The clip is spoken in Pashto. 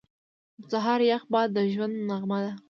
• د سهار یخ باد د ژوند نغمه ده.